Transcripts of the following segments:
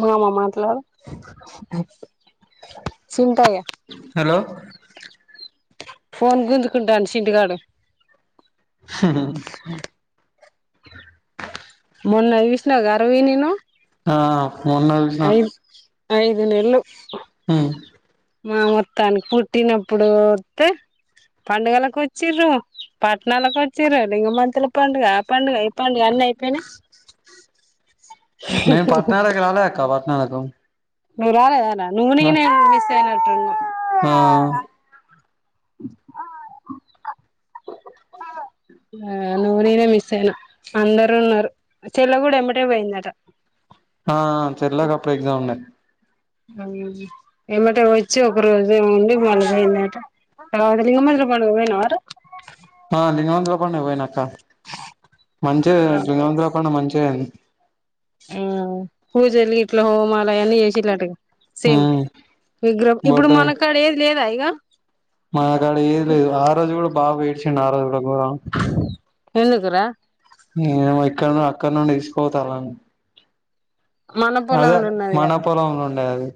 మమ మాట్లాదు చింతయా hello phone గుంజుకుంటాండు చింటుకాడు హ మొన్న చుశ్నాగా ఆ రవి నిను ఆ మూన్న చుషిన ఐదు నెళ్ళు హ మా మొత్తానికి పుట్టినప్పుడు వస్తే పడుగలకు వచ్చిరు పట్నాలకు వచ్చీరు లింగమంతుల పండుగ ఆ పండుగ ఈ పండుగ అన్నీ అయి పైనయి నేను పట్నాలకు రాలె అక్క పట్నలకు నువు రాలేదారా నూవ్ నేనే మిస్ ఏట్టున్నా ఆ [inaudible] ఆ నూవ్ నేనే మిస్ అయినాం అందరూ ఉన్నారు చెల్ల కూడా ఎమ్మటే పోయిందట ఆ చెల్లాకప్పుడు ఎగ్జామ్ ఉండే ఏమటే వచ్చి ఒక రోజు ఉండి మళవైందట వేనారు ఆ లింగమంతల పండుగకు పోయినాక్క మంచి లింగవంతల పండగ మంచి చిగై ఆ పూజలు ఇట్లా హోమాలయాన్ని చేసిలటుగా సేమ్ విగ్రహ ఇప్పుడు మన కాడ ఏది లేదా ఇగ మా కాడ ఏది లేదు ఆ రోజు కూడా బాబు ఎడ్చిండి ఆ రోజు కూడా పొ ఎందుకురా నేనుమో ఇక్కడ ను అక్కడ నుండి తీసుకోవొతాని మన అదే పొలంలో ఉన్నది మన కదా పొలంలో ఉండే అది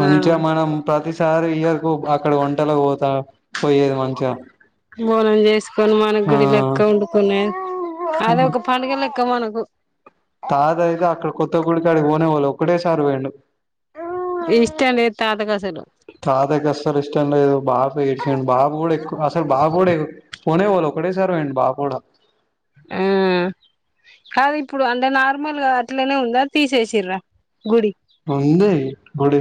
ఆ మంచిగా మనం ప్రతిష్ట్ సారి ఇయరుకుక అక్కడ వంటలో పోతా పోయేది మంచిగా బోనం చేసుకొని మన ఆ గుడి లెక్క వండుకునే అద ఒక పండుగ లే వక్కమనకు తాత అయితే అక్కడ కొత్త గుడికడికి పోనేవొలే ఒక్కటేసారు పోయింది ఇష్టం లేదు తాత కసలు తాతకి అసలు ఇష్టం లేదు బాపు ఎడ్చిండు బాబ్ గుడా ఎక్కువ అసలు బాబు గుడా పోనేపోలే ఒకటేసారి పోయిండు బాపు కూడా మ్మ్ కాదు ఇప్పుడు అంటే నార్మల్గా అట్లనే ఉందా తీసేసిర్ర గుడి ఉంది గుడి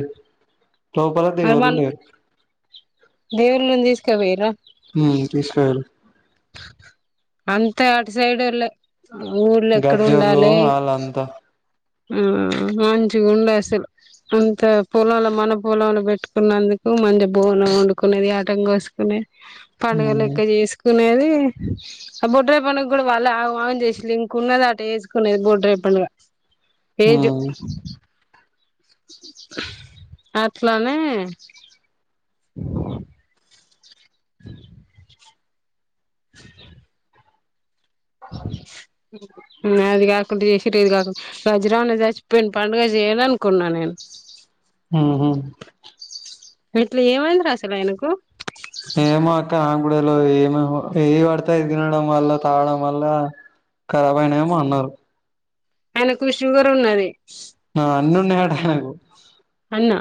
లోపల దేవుళ్లు లేరు దేవుళ్ళను తీసుకపోయిర్రా ఉమ్ తీసుకుపోయిర్రు అంతా అటు సైడోళ్ళే ఊర్ల ఎక్కడ గజ్జోళ్ళు ఉండాలే ఆళ్ళంతా హ్మ్ మంచిగుండే అసల్ అంత పొలంల మన పొలంల పెట్టుకున్నందుకు మంది బోనం వండుకునేది యాటను కొసుకునేది. ఉమ్ పండగలెక్క చేస్ కునేది ఆ బొడ్రాయి పండగ కుడా వాళ్ళే ఆగం ఆగం చేసిల్ల్ ఇంకున్నది అట ఎసుకునేది బొడ్రాయి పండగ ఏజ్ ఉమ్ అట్లానే [inaudible] [inaudible] హ్మ్ అది కాకుండా చేసిర్రు ఇది కాకుండా సచ్చిరమ్మన్నా సంచిపోయిండ్ పండుగ చేయర్రానుకున్నా నేను హ్మ్ హు ఎట్ల ఏమైంద్రా అసలు ఆయనకు ఏమో అక్క నాగుడా తెలవదు ఏమమో ఏయ్యి పడితే అయ్యి తినడం వల్ల తాగడం వల్ల ఖరాబయినో ఏమో అన్నరు ఆయనకు షుగర్ ఉన్నది. ఆ అన్నీ ఉన్నాయట ఆయనకు అన్న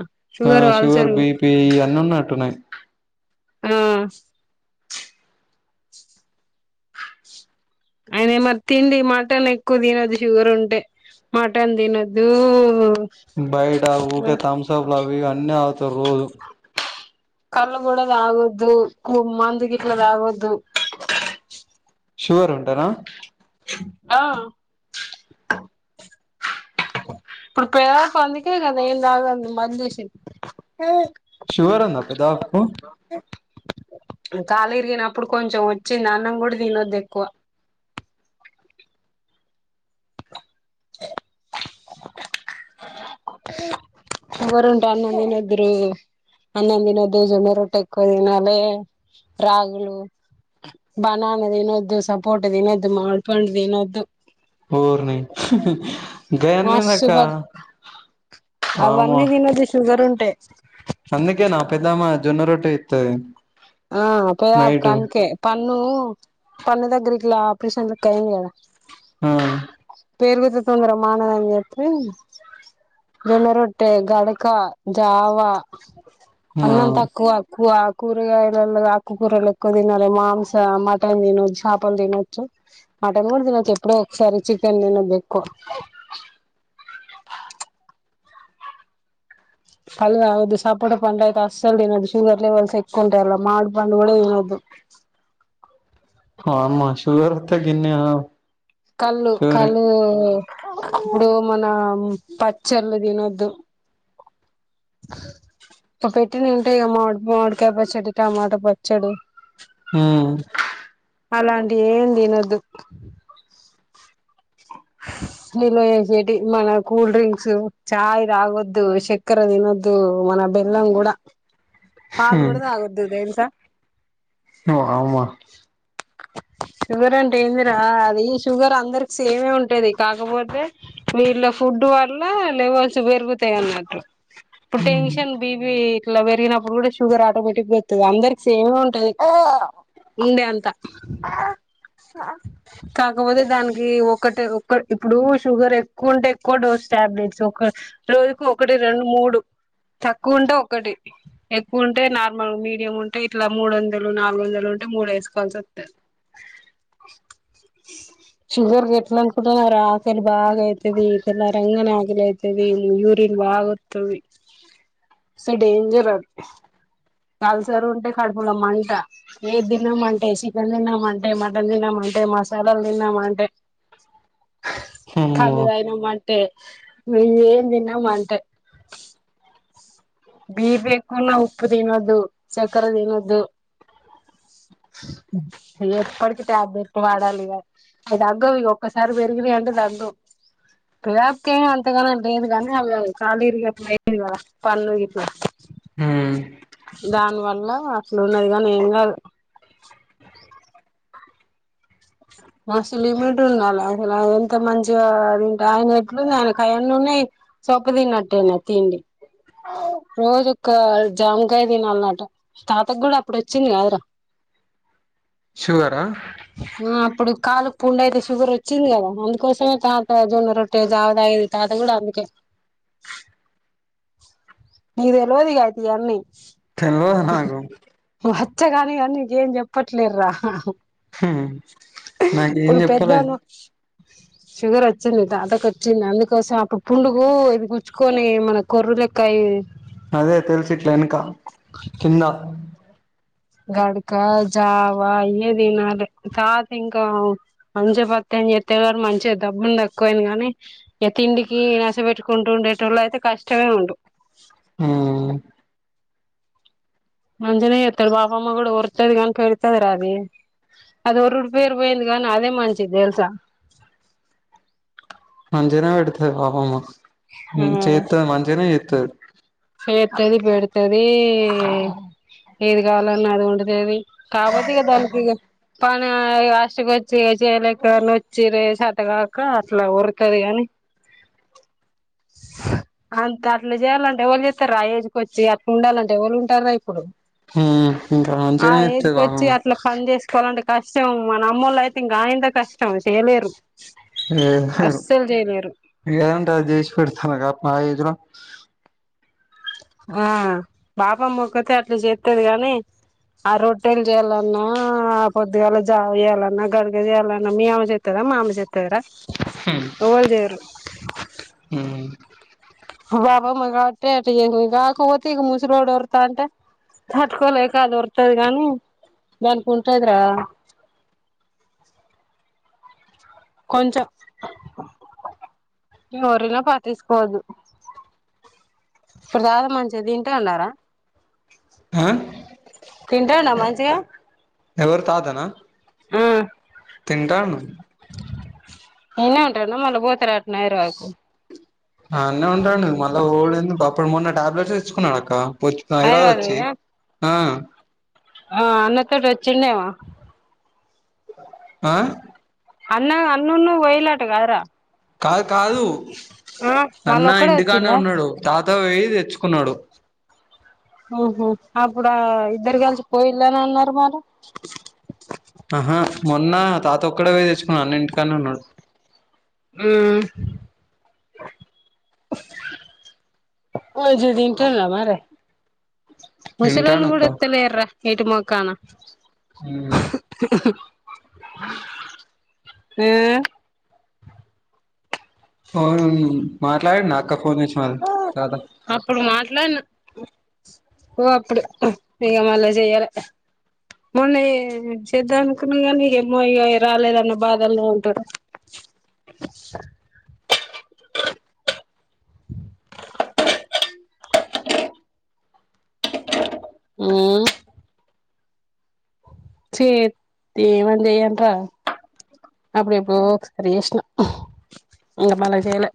ఆ షుగర్, అల్సరు బిపి అన్ని ఉం టున్నయి ఆ ఆయనే మరి తిండి మటన్ ఎక్కువ తినొద్దు షుగర్ ఉంటే మటన్ తినొద్దు బయట ఊకే థమ్సప్లు అవి ఇవి అన్నీ తాగుతరు రోజు కళ్లు గుడా తాగోద్దు కు మందుగిట్ల తాగోద్దు షుగర్ ఉంటనా ఆ ఇప్పుడు పెద్బాప్ అందుకే కదా ఏం తాగంది బంద్ చెసింది. షుగర్ ఉందా పెదబాప్ కు కాలు ఇరిగినప్పుడు కొంచెం వచ్చింది అన్నం గుడా తినొద్దు ఎక్కువ షుగర్ ఉంటే అన్నం తినొద్దు రో అన్నం తినొద్దు జొన్నరోట్టె ఎక్కువ తినాలే రాగులు బనాన తినోద్దు సపోట తినోద్దు మామిడి పండు తినొద్దు ఓర్ నీ మస్సు బ అవన్నీ తినోద్దు షుగర్ ఉంటే అందుకేనా పెద్దమ్మా జొన్నరోట్టె చెత్తది ఆ పెద్బాపుకు అందుకే ప ఇన్ను పన్ను దగ్గరా ఇట్ల అప్రేషన్ లెక్క అయ్యింది కదా హ్మ్ పెరుగుతే తొందర మానదని చెప్పి జొన్నరొట్టె, గడకా, జావ ఆ అన్నం తక్కువ కువ కూరగాయ అకు కూరలు ఎకువ తినాలి మాంస మటన్ తిన చాపల్ తినొచ్చు మటన్ కూడా మెప్పుడు ఒకసారి చికెన్ తినోదు ఎక్కువ ఫల్ అదు సపోర్ట పండ్ అయితు అసల్నదు శుగర్ లవల్స్ ఎక్కుండ్రి అలా మావుడు పండు కూడా ఎక్కువ తినోదు ఆ మాషుగర్తే కిన్న కల్ కలు ఇప్పుడు మన పచ్చళ్ళు తినొద్దు ఇ పెట్టిన ఉంటే ఇకడి మాడికాయ పచ్చడి టమాటో పచ్చడి హ్మ్ అలాంటి ఏం తినద్దు నిలోటి మన కూల్ డ్రింక్స్ చాయ్ది ఆగొద్దు శక్కర దినద్దు మన బెల్లం కూడా పాల్ గుడ తాగోదు తెలుసా ఓ అమా షుగర్ అంటే ఏందిరా అది షుగర్ అందరికి సేమే ఉంటేది కాకపోతే వీళ్ళ ఫుడ్ వల్ల లేవల్ చు పెరుగుతాయి అన్నమాట్ ఇప్పుడు టెన్షన్ బీబీ ఇట్లా పెరిగినప్పుడు కూడా షుగర్ ఆటోమేటిక్గా వతుంది అందరికి సేమ్ ఉంటది ఉండే అంత కాకపోతే దాని కి ఒకటి ఒక ఇప్పుడు షుగర్ ఎక్కువ ఉంటే ఎక్కువ డోస్ టాబ్లెట్స్ ఒక రోజుకు ఒకటి రెండు మూడు తక్కువ ఉంటే ఒకటి ఎక్కువ ఉంటే నార్మల్ మీడియం ఉంటే ఇట్లా మూడు వందలు నాలుగు వందలు ఉంటే మూడు వేసుకోవాల్సి వస్తది శుగర్ గట్లం కూడా ఆకలి బాగా అయితది ఇగా అ రంగన ఆకలి అయితది ఇ యూరిన్ బాగా వస్తాది అ స డేంజర్ అది కాలుసరు ఉంటే కడుపులుమ్మంట ఏ తినమంటే చికెన్ తిన్నామంటే మటన్ తినమంట అంటే మసాలాలు తిన్నామా అంటే అమ్మో కగద అయినా అంటే ఏం తిన్నామ అంటే బీ బలా ఉప్పుదినదు సక్కర తినోదు ఎప్పటికి టాబ్లెట్లు వాడాలి ఇక అది దగ్గ ఇక ఒక్కసారి పెరిగినయి అంటే ద అందు పప్కే అంతగాని లేదు కాగానీ అవి కళీరిగా లేదు గదా పన్ను స ఉమ్ దాని వల్ల అసలు ఉన్నది కానీ ఏం కాదు మస్తు లిమిట్ ఉండాల అసలు ఎంత మంచిగాంట ఆయన ఎట్లుంది ఆయన కాయన్న ఉన్నాయి సొప్పుది నట్టేన తిండి రోజుక్క జామకాయ తినాలన్నట తాతకు కూడా అప్పుడు వచ్చింది కాదురా షగరా ఇప్పుడు కాలుకు పూం అయితే షుగర్ వచ్చింది కదా అందుకోసమే తాత జొన్న రొట్టె జావ తాగేది తాత కూడా అందు మీద తేవదిగా అయిత అన్నీ తెల్వదు నాకు ఇచ్చగాని కానీ నీకేం చెప్పట్లేరు రా హ వాళ్ళ పెద్దనాన్న షుగర్ వచ్చింది తాతకు వచ్చింది అందుకోసం అప్పుడు పుండుగు ఇది కూచుక్ కొని మన కొర్రులక్కయి అదే తెలుసు ఇట్లా వెనక కింద గడ్కా జావా ఇయే తినాలి తాత ఇంకా మంచి పతా నేను చేతా గాని మంచి దబ్బుంది తక్కువయింది గానీ ఇగ తిండికి నసబెట్టుకుంటు ఉండేటోలు అయితే కష్ ఇక్కడే ఉండు హ్మ్ మంజనేయ వతారు బాపమ్మ కూడా ఊర్తాది గాని పెడ్తది రా అది అది ఓరురు పేరు పోయింది గాని అదే మంచిది తెల్సా మంచిగనే పెడ్తది బాపమ్మ హ్మ్ చేతది మంచిగనే చేతది చేతది పేడతది ఏది కావాలన్నా అది వండుతది కాపోతే ఇగ దానికి ఇగ పని లాస్టుకి వచ్చి చేయలేక నోచ్చి సాతగాక అట్ల ఓరుతది గాని అంత అట్లా చేయాలంటే ఎవళ్లు చెస్ స్తా రాయజెకి వచ్చి అట్లా ఉండాలంటే ఎవళ్ళు ఉంటారు రా ఇప్పుడు హ్మ్ ఇంకా ఆ మంచిగనే ఏజ్ చేత్తది కి వచ్చి పాపమ్మ అట్లా పని చేసుకోవాలంటే కష్టం మన అమ్మోలు అయితే ఇంకా ఇంత కష్టం చేయలేరు చేయలేరు అస్సలు చేయలేరు ఏంటది చేసి పెడతా కా మా ఏజ్లో ఆ బాపమ్మ ఒక్కటే అట్లా చేతది గాని ఆ రొట్టెలు చేయాలన్నా ఆ పొద్దుగాల జావు చేయాలన్నా గడిగ చేయాలన్నా మీ అమ్మ చేత రా మాఅమ్మ చెతది రా ఎవళ్లు చేయరు హ్మ్ బాపమ్మ కాబట్టే అట్ల చేసింది కాకపోతే ఇగ ముసిలోడు ఓర్లు తాంటే తట్టుకోలేక అది ఓరుతది గానీ దానికి ఉంటదిరా కొంచం ఇంగ ఓర్లినా పట్టించుకోదు ఇప్పుడు దాకా మంచిగ తింటాన్నారా అ తింటన్నావ మంచిగా ఎవరు తాతనా ఆ తింటానం ఇన్నే ఉంటరాట్న్నా మళ్ళ పోతారా అట్నే హైదరాబాద్కు అన్నే ఉంటాండు మళ్ళీ పోడు ఎందుకు అప్పుడు మొన్న టాబ్లెట్స్ తెచ్చున్నాడు అక్క పొచ్క్ హైదరాబద్ హైదరాబాద్ వచ్చి పోయి ఆ ఆ అన్నతోటి వచ్చిండిమో ఆ అన్న అన్నును పోయిలు అట కదా రా కాదు కాదు మళ్ళ అన్న ఒక్కడే ఇంటికానే వచ్చిండా ఉన్నాడు తాత పోయి తే తెచ్చుకున్నాడు హ్మ్ హు అప్పుడు ఆ ఇద్దరు కలిసి పోయిళ్ళు అని అన్నారు మరి ఆహా మొన్న తాత ఒక్కడే పోయి తెచ్చుకున్న అన్న ఇంటికనే ఉన్నాడు హ్మ్ మంచిగ తింటురా మరి ముసిలోళ్ళు తింటాండు అక్క కూడా వత్తాలేరా ఇటు మక్కన ఉమ్ [inaudible] అవును మాట్లాడ నాక్క ఫోన్ వచ్చిన మ కాదా అట్లా ఓ అప్పుడు ఇక మళ్ళ చెయ్యాలి మొన్న చేద్దా అనుకున్నా కానీ ఏమో రాలేదన్న బాధనే ఉంటారు ఉమ్ [unintelligible] ఏమ చేయంట అప్పుడు ఎప్పుడు సర ఇష్టం అంగ మళ చేయలే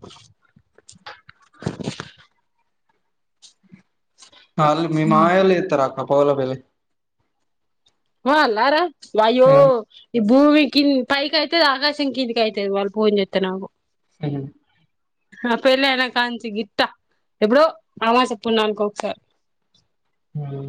అ మీ మాయాలు ఎతే రాక పోవాల పేలే వల్లరా అయ్యో భూమి కింద పైకి అవుతుంది ఆకాశం కిందికి అవుతది వాళ్ళు భోజన్ చేస్తే నాకు స [unintelligible] ఆ పేలే ఎన కాన్ంచి గిట్టా ఎప్పుడో అమావాస్య పున్నానికి ఒకసరి హ